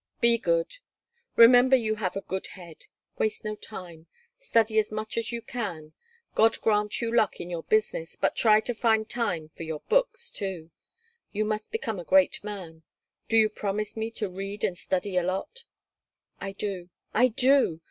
Be good. Remember you have a good head. Waste no time. Study as much as you can. God grant you luck in your business, but try to find time for your books, too. You must become a great man. Do you promise me to read and study a lot?" "I do. I do.